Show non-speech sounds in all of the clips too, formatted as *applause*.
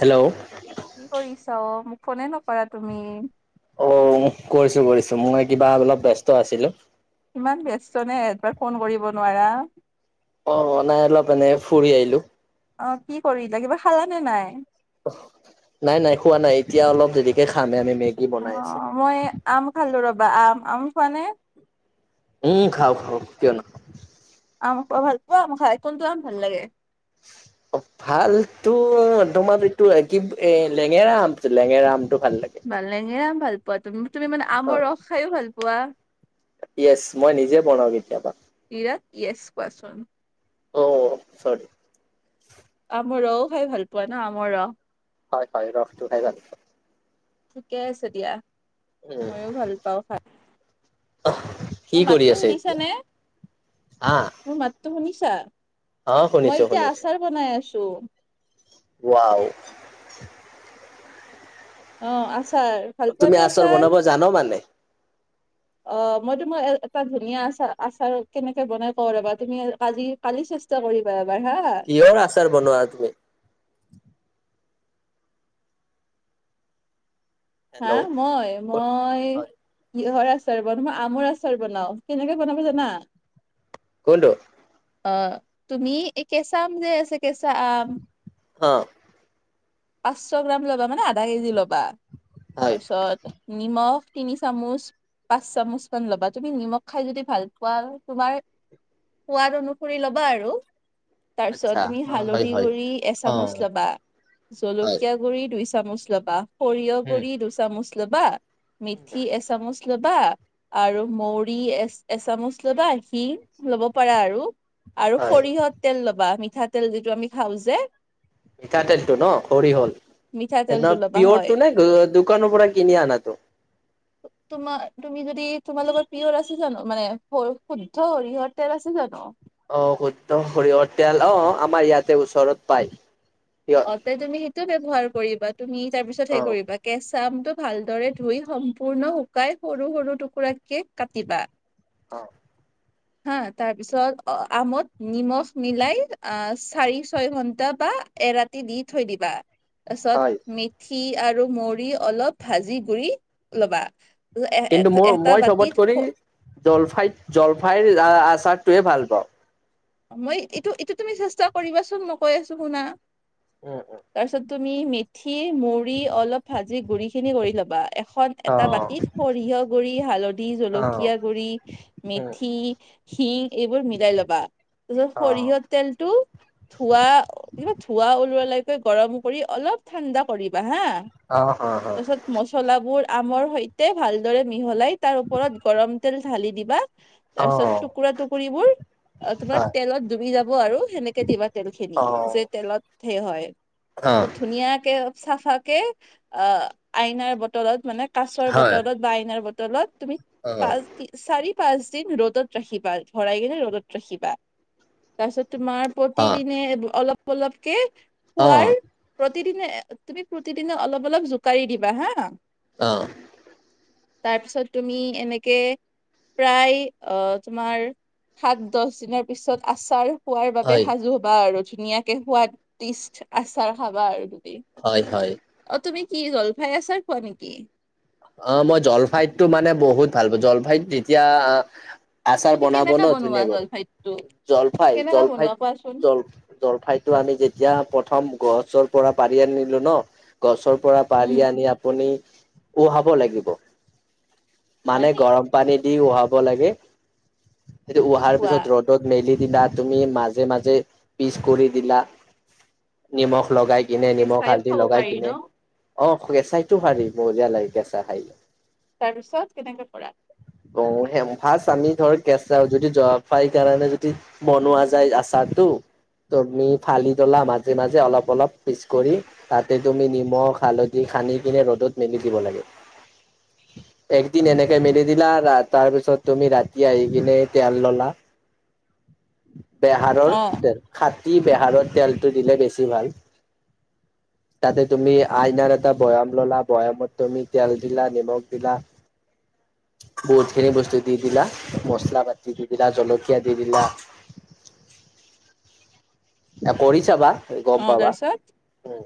Hello কি কৰিছো মোক ফোনে নকৰা তুমি? অ' কৰিছো, কৰিছো মই কিবা অলপ ব্যস্ত আছিলো। ইমান ব্যস্ত নে এপাক ফোন কৰিব নোৱাৰা। অ' নাই অলপ মনে ফুৰি আহিলো। অ' কি কৰিলো কিবা খালা নে নাই? নাই, নাই খোৱা নাই এতিয়া অলপ দেৰিকৈ খামে আমি মেগ অ' মই এই আম খালো ৰ'বা আম, আম খোৱা নে? উম, খাও, খাও কিয় নাখাম। আম খাই ভাল পোৱা, মই খাই কোনটো আম ভাল লাগে? অ', *unintelligible* ভালতো তোমাৰ এইটো একিব এ লেঙেৰা আমটো, লেঙেৰা আমটো ভাল লাগে। বালেহে ভাল পোৱা তুমি, তুমি মানে অ অমৰ ৰস খাইও ভাল পোৱা য়েছ মই নিজে বনাও কেতিয়াবা। ইৰাত য়েছ কোৱা চোন। অ' চৰি। আমৰ ৰও খাই ভাল পোৱা ন আমৰ ৰস? হয় হয় ৰসটো খাই ভাল পাওঁ। ঠিকে আছে দিয়া, উম ময়ো ভাল পাওঁ খাই। কি মোৰ কৰি মাতটো আছে এতিয়া সুধিছানে? আহ মোৰ মাতটো শুনিছা? অ মই শুনিছো এতিয়া শুনিছো আচাৰ বনাই আছো। ওৱাও অ আচাৰ ভাল অ পোৱা তুমি নে আচৰ আচাৰ বনাব জান মানে? অ মই তোমাৰ এটা এটা ধুনীয়া আচাৰ আচাৰ কেনেকে বনায় কওঁ ৰবা তুমি কাজি কালি চেষ্টা কৰিবা এবাৰ হা কিহৰ আচাৰ বনোৱা তুমি? হা হেল্ল' মই মই হয় কিহৰ আচাৰ বনাও মই আমৰ আচাৰ বনাও কেনেকে বনাবা জানা? কোনটো? অ তুমি এ কেঁচা আম যে আছে কেঁচা আম অ পাঁচশ গ্ৰাম ল'বা মানে আধা কেজি ল'বা হয় তাছত নিমখ তিনি চামুচ পাঁচ চামুচ মান ল'বা তুমি নিমখ খাই যদি ভাল পোৱা তোমাৰ সোৱাদ অনুসৰি ল'বা আৰু আচ্ছা তাৰপিছত তুমি অ হয় হালধি হয় গু়ৰি অ এচামুচ ল'বা হয় জলকীয়া গুড়ি দুই চামুচ ল'বা, সৰিয়হ উম গুড়ি দুচামুচ ল'বা মিথি এচামুচ ল বা আৰু মৰি এ এচামুচ ল'বা, হিৰ ল'ব পাৰা আৰু আৰু হয় সৰিহৰ তেল ল'বা মিঠাতেল যিটো আমি খাওঁ যে মিঠাতেলটো ন সৰিহৰ এনু মিঠাতেলটো ল'বা হয় পিয়ৰটো নে দোকানৰ পৰা কিনি আনাটো *inaudible* তোমাৰ তুমি যদি তোমালোকৰ পিয়ৰ আছে জানো, মানে শু শুদ্ধ সৰিয়হৰ তেল আছে জানো? অ শুদ্ধ সৰিয়হ তেল অ আমাৰ ইয়াতে ওচৰত পায় সিয় অ তে তুমি সেইটোৱে ব্যৱহাৰ কৰিবা তুমি তাৰ পিছত অ হেৰি কৰিবা কেঁচা আমটো ভালদৰে ধুই সম্পূৰ্ণৰ শুকাই সৰু সৰু টুকুৰাকে কাটিবা অ হা তাৰ পিছত আ-মত নিমখ মিলাই আ- চাৰি, ছয় ঘন্টা বা এৰাতি দি থৈ দিবা হয় তাৰপিছত মিথি আৰু মড়ি অলপ ভাজি গুৰি লবা এ এ কিন্তু এটা মোৰ এটা মই চবত বতিত কৰি স জলফাইত জলফাইৰ আচাৰটোৱে ভাল পাওঁ মই এইটো এইটো তুমি চেষ্টা কৰিবাচোন মই কৈ আছো শুনা অ অ তাৰপিছত তুমি নি থি মুড়ি অলপ ভাজি গুৰি খিনি কৰি ল'বা এখন অ এটা বাতিত সৰিয়হ গুৰি, হালধি, অ জলকীয়া গু়ৰি উম মেথি হিং এইবোৰ মিলাই ল'বা, তাৰপিছত অ সৰিয়হৰ তেলটো ধোঁৱা কিবা ধোঁৱা ওলোৱা লৈকে গৰম কৰি অলপ ঠাণ্ডা কৰিবা হা'। অ', হ' হ'। মচলাবোৰ আমৰ সৈতে ভালদৰে মিহলাই তাৰ ওপৰত গৰম তেল ঢালি দিবা। অ তাৰ অ পিছত টুকুৰা টুকুৰিবোৰ তোমাৰ হয় তেলত ডুবি যাব আৰু সেনেকে দিবা তেলখিনি। যে অ তেলত হেই হয়। অ', ধুনীয়াকে চাফাকে অ' আইনাৰ বটলত মানে কাঁচৰ হয়, বটলত বা আইনাৰ বটলত তুমি অ', পাঁচ দি চাৰি পাঁচ দিন ৰ'দত ৰাখিবা ভৰাই কিনে ৰ'দত ৰাখিবা। তাৰপিছত তোমাৰ অ', প্ৰতিদিনে অলপ অলপকে পুৱাৰ অ', প্ৰতিদিনে তুমি প্ৰতিদিনে অলপ অলপ জোকাৰি দিবা হা'। অ'। তাৰপিছত তুমি এনেকে প্ৰায় অ' তোমাৰ সাত দহ দিনৰ পিছত আচাৰ খোৱাৰ বাবে হয়। সাজু হ'বা আৰু, ধুনীয়া কে সোৱাদিস্ত আচাৰ খাবা আৰু তুমি। হয়, হয়। অ' তুমি কি জলফাই আচাৰ খোৱা নেকি? অ' মই জলফাইটো মানে বহুত ভাল পাওঁ। জলফাইত তেতিয়া আহ আচাৰ তুমি বনাব কেনেকা ন বনোৱা ধুনীয়াকৰি, জলফাইটো জলফাই কেনেকা জলফাই বনোৱা কোৱাচোন? জল জলফাইটো আমি যেতিয়া প্ৰথম গছৰ পৰা পাৰি আনিলো ন, গছৰ পৰা উম পাৰি আনি আপুনি উহাব লাগিব, হয় মানে নেকি গৰম পানী দি উহাব লাগে। সেইটো কি উহাৰ কোৱা? পিছত ৰ'দত মেলি দিলা তুমি, মাজে মাজে পিচ কৰি দিলা নিমখ লগাই কিনে নিমখ কেঁচাইও হালধি খাব লগাই পাৰি ন? কিনে অ' কেঁচাইটো পাৰি মজা লাগে কেঁচা খাই। তাৰপিছত কেনেকে কৰা? অ'হেম ফাৰ্ষ্ট আমি ধৰ কেঁচাই যদি জলফাইৰ কাৰণে যদি বনোৱা যায় আচাৰটো। ত‌' তুমি ফালি থ'লা মাজে মাজে অলপ অলপ পিচ কৰি। তাতে তুমি নিমখ হালধি সানি কিনে ৰ'দত মেলি দিব লাগে। একদিন এনেকে মেলি দিলা, তা তাৰপিছত তুমি ৰাতি আহি কিনে তেল ল'লা বেহাৰৰ অ তেল। খাটী বেহাৰৰ তেলটো দিলে বেছি ভাল। তাতে তুমি আইনাৰ এটা বৈয়াম ল'লা, বৈয়ামত তুমি তেল দিলা নিমখ দিলা বহুতখিনি বস্তু দি দিলা মচলা পাতি দি পেলাই জলকীয়া দি দিলা এ কৰি চাবা অ গ'ম পাবা। তাৰপিছত উম,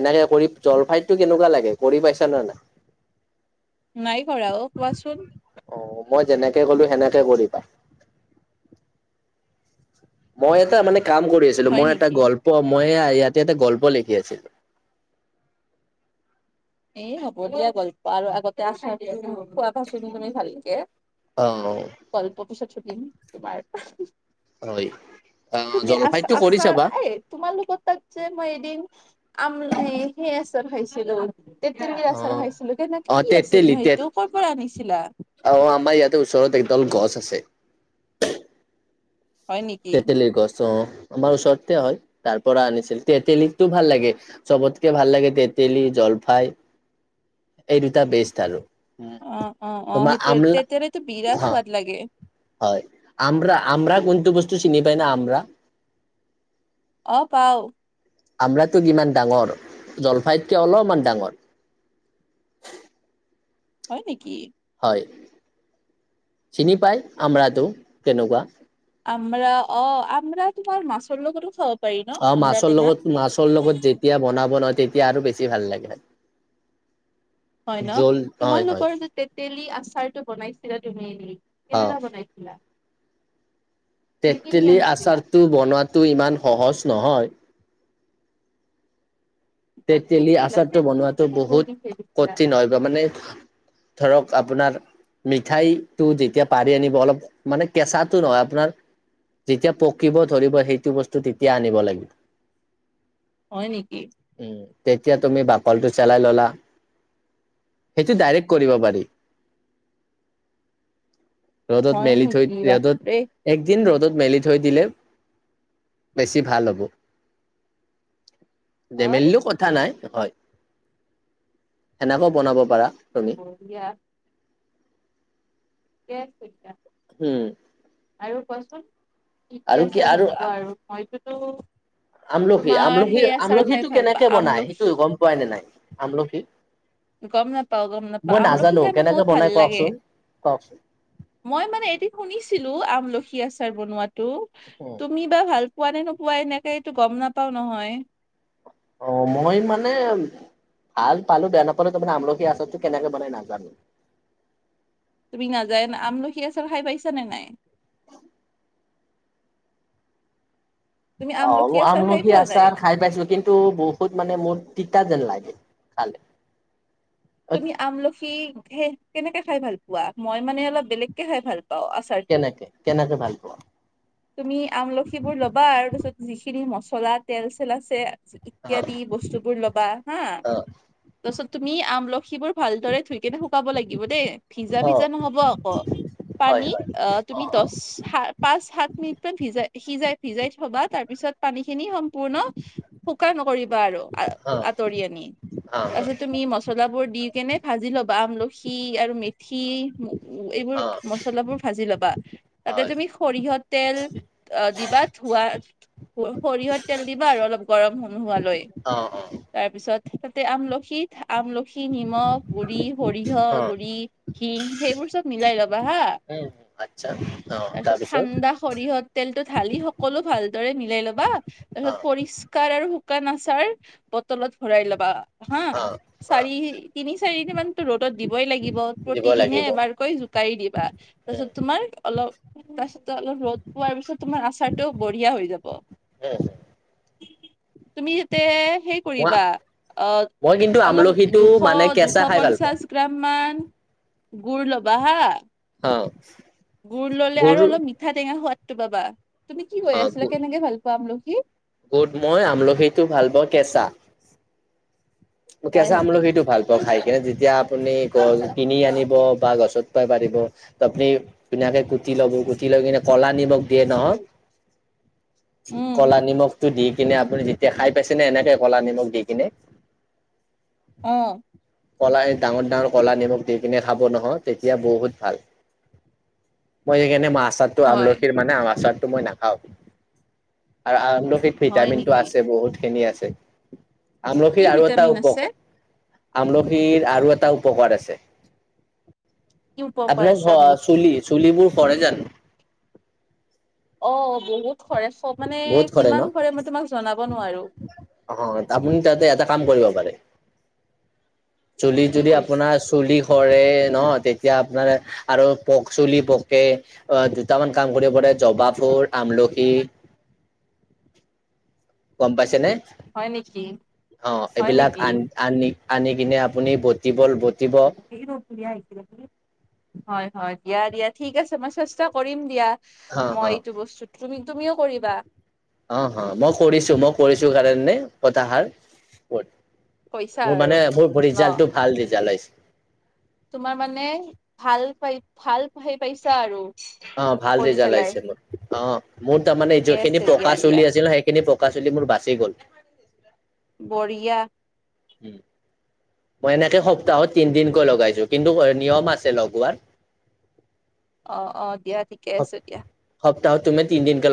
এনেকে কৰি, জলফাইটো কৰি কেনেকুৱা লাগে কৰি পাইছা নে নাই? নাই কৰা অ', কোৱাচোন? অ' মই যেনেকে ক'লো সেনেকে কৰিবা। মই এটা মানে কাম কৰি আছিলো, হয় মই এটা নেকি? গল্প মই এইয়া ইয়াতে এটা গল্প লিখি আছিলো। এই হ'ব দিয়া গল্প আৰু আগতে আচাৰ দিয়া *unintelligible* কোৱাচোন তুমি মানে ভালকে, অ গল্পটো পিছত শুনিম তোমাৰ। *unintelligible* হয় আহ তুমি আছা জলফাইটো কৰি আছা চাবা এই- তোমালোকৰ তাত যে মই এদিন আম সেই আচাৰ খাইছিলোঁ। তেঁতেলী অ আচাৰ খাইছিলোঁ। কেনেকে অ কি আছিল তেতেলী ন তেত সেইটো ক'ৰপৰা আনিছিলা? অ' আমাৰ ইয়াতে ওচৰত একডাল গছ আছে। হয় নেকি তেতেলীৰ গছ অ' আমাৰ ওচৰতে হয়। তাৰ পৰা আনিছিল, তেতেলীটো ভাল লাগে। চবতকে ভাল লাগে তেতেলী, জলফাই এই দুটা বেষ্ট আৰু অ' অ' অ' তোমাৰ সেইটোয়ে আমলা তেতিলীতো বিৰাট হা সোৱাদ লাগে। হয়, আমৰা আমৰা কোনটো বস্তু চিনি পায়না আমৰা? অ' পাওঁ। আমৰাতো কিমান ডাঙৰ, জলফাইতকে অলপমান ডাঙৰ। হয় নেকি। হয়, চিনি পায় আমৰাটো কেনেকুৱা? আমৰা অ' আমৰা তোমাৰ মাছৰ লগতো খাব পাৰি ন অ' আমৰা মাছৰ টেঙা লগত, মাছৰ লগত যেতিয়া বনাব নহয়, তেতিয়া আৰু বেছি ভাল লাগে। হয়নো জল হয় হয় তোমালোকৰ যে তেঁতেলী আচাৰটো বনাইছিলা তুমি অ কেনেকা বনাইছিলা? নে কিনি তেঁতেলী আনিছিলা আচাৰটো বনোৱাটো ইমান সহজ নহয়। কি তেঁতেলী দিছিলা আচাৰটো চেনি দিছিলা বনোৱা নে গুৰ মিঠৈ বহুত দিছিলা কঠিন হয় বা মানে ধৰক আপোনাৰ মিঠাই টো যেতিয়া পাৰি আনিব অলপ মানে কেঁচাটো নহয়। আপোনাৰ যেতিয়া পকিব ধৰিব সেইটো বস্তু তেতিয়া আনিব লাগিব। হয় নেকি। উম, তেতিয়া তুমি বাকলটো চলাই ল'লা। সেইটো ডাইৰেক্ট কৰিব পাৰি। ৰ'দত হয় মেলি থৈয়, নেকি বাপৰে ৰ'দত একদিন ৰ'দত মেলি থৈ দিলে, বেছি ভাল হ'ব। *inaudible* হয় নেমেলিলেওঁ কথা নাই, হয়। সেনেকৈ বনাব পাৰা তুমি। বখলিয়াই বিৰাট চইন্তান। উম। আৰু কোৱাচোন কি কি আছাৰ ভাল আৰু মইটোতো আমলখি, আমলখি, আমলখিটো পাওঁ কেনেকে বনাই আমলখি সেইটো গ'ম পোৱাই নে নাই আমলখি? গ'ম নাপাওঁ, গ'ম মই নাপাওঁ। আমলখি খাই মোৰৰ বহুত ভাল লাগে। কওঁকচোন মই মানে এটি শুনিছিলোঁ। আমলখি আছাৰ বনোৱাটো তুমি কিবা ভাল পোৱা নে নোপোৱা এনেকে এইটো গ'ম নাপাওঁ নহয়। অ' মই মানে ভাল পালোঁ বেয়া নাপালোঁ। তাৰমানে আমলখি আছাৰতো কেনেকে বনাই নাজানোঁ। তুমি নাযায়া আমলখি আছাৰ খাই পাইছা নে নাই? তুমি অ' মই আচাৰ খাই আমলখি পোৱা নাই আছাৰ খাই পাইছোঁ। কিন্তু টোৰ বহুত মানে মোৰ তিতা যেন লাগে খালে। তুমি আমলখি সেই কেনেকে খাই ভাল পোৱা। মই মানে অলপ বেলেগকে খাই ভাল পাওঁ। আছ থ্ৰাৰ্টি, কেনেকে কেনেকে ভাল পোৱা তুমি আমলখি বোৰ ল'বা তাৰপিছত যিখিনি মছলা তেল চেল আছে ইত্যাদি অ বস্তু বস্তুবোৰ ল'বা হা তাৰপিছত তুমি আমলখি লখিবোৰ ভালদৰে ধুই কেনে শুকাব লাগিব দেই। ভিজা অ অ ভিজা নহ'ব আকৌ হয় পানী হয় অ' তুমি দহ সাত পাঁচ সাত। *unintelligible* সিজাই ভিজাই থবা তাৰপিছত পানী খিনি সম্পূৰ্ণ শুকান নকৰিবা আৰু অ আঁতৰি আনি অ অ তাৰপিছত তুমি মচলাবোৰ দি কেনে ভাজি ল'বা আমলখি আৰু মেথি। এইবোৰ মচলাবোৰ ভাজি ল'বা। তাতে হয় তুমি সৰিয়হৰ তেল অ' দিবা ধোৱা সৰিয়হৰ তেল দিবা আৰু অলপ গৰম সমূহ হোৱালৈ। অ' অ'। তাৰপিছত তাতে আমলখিত আমলখি, নিমখ গুৰি, অ সৰিয়হ গুৰি, শিং, সেইবোৰ চব মিলাই ল'বা হা'! উম, আটচ্ছা অ'। তাৰ পিছত তাৰপিছত ঠাণ্ডা সৰিয়হ তেলটো সকলো ভালদৰে মিলাই লবা। অ তাৰপিছত পৰি শুকাৰ আৰু শুকান আচাৰ বটলত ভৰাই লবা হা'! অ অ চাৰি তিনি-চাৰিদিন মানতো ৰ'দত দিবই লাগিব দিব প্ৰতিদিনে লাগিব এবাৰকৈ জোকাৰি দিবা। উম তাৰপিছত তোমাৰ অলপ তাৰপিছতো অলপ ৰ'দ পোৱাৰ পিছত তোমাৰ আচাৰটো বঢ়িয়া হৈ যাব। উম। তুমি তাতে হেৰী মই কৰিবা মই অ' কিন্তু অলপ আমলখিটো দুখ মানে কেঁচা খাই ভাল পাওঁ। দুশ-পঞ্চাছ গ্ৰাম মান গুৰ ল'বা হা'! অ গুৰ ললে আৰু অলপ মিঠ মিঠা-টেঙা সোৱাদটো পাবা। তুমি কি অ কৈ আছিলা কেনেকে ভাল পোৱা আমলখি? গুড মই আমলখিটো ভাল পাওঁ কেঁচা মোক হয় কেচা নেকি আমলখিটো ভাল। খাইকিনে যেতিয়া আপুনি গছ কিনি আনিব বা গছত পাই পাৰিব। আপুনি ধুনীয়াকে কুটি ল'ব, কুটি লৈ কিনে কলা নিমখ দিয়ে নহহ। উম কলা নিমখটো দি কিনে আপুনি যেতিয়া খাই পাইছেনে এনেকে কলা নিমখ দি কিনে? অঁ। ক'লা সেই ডাঙৰ-ডাঙৰ ক'লা নিমখ দি কিিনে খাব নহয় তেতিয়া বহুত ভাল। মই সেইকাৰণে মই আচাৰটো হয় আমলখিৰ মানে আম আচাৰটো মই নাখাও। আৰু আমলখিত হয় ভিটামিনটো নেকি আছে বহুতখিনি আছে আমলখিৰ কি আৰু এ ভিটামিন আছে আমলখিৰ আৰু এটা উপকাৰ আছে। কি উপকাৰ আছে আপোনাৰ আমলখিৰ চুলি-চুলিবোৰ সৰে জানো? অ' বহুত সৰে, মানে বহুত ন? কিমান সৰে মই তোমাক জনাব নোৱাৰো। অ' আপুনি তাতে এটা কাম কৰিব পাৰে, চুলি কি যদি কৰিছা আপোনাৰ চুলি সৰে ন, তেতিয়া আপোনাৰ আৰু পক চুলি পকে। অ' দুটামান কাম কৰিব পাৰে জবা ফুল, আমলখি। গম পাইছেনে? হয় নেকি অ' হয় এইবিলাক নেকি আন আনি কিনে আপুনি বটিব বটিব *unintelligible* হয় হয় দিয়া দিয়া ঠিক আছে মই চেষ্টা কৰিম দিয়া। হা মই হা এইটো বস্তু তুমি তুমিও কৰিবা। অ' অ' মই কৰিছো মই কৰিছো কাৰণে কতাহাৰ কত কৈছা মোৰ আৰু মানে মোৰ ন ৰিজাল্টটো ভাল ৰিজাল্ট আহিছে। তোমাৰ মানে ভাল পাই ভাল হেই পাইছা আৰু। অ' ভাল কৰি ৰিজাল্ট পেলাই আইছে মোৰ। অ'! মোৰ তাৰমানে ঠিকে যিখিনি আছে দিয়া পকা দিয়া চুলি আছিলে, সেইখিনি পকা চুলি মোৰ বাচি গ'ল। বঢ়িয়া। উম। মই এনেকে সপ্তাহত তিনদিনকৈ লগাইছো কিন্তু হয় নিয়ম আছে লগোৱাৰ। *inaudible* অ অ দিয়া, ঠিকে আছে দিয়া। সপ্তাহত তুমি তিনদিনকে